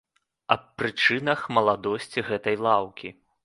Аб прычынах маладосці гэтай лаўкі.